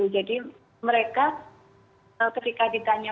jadi mereka ketika ditanya pun belum tahu sampai kapan akan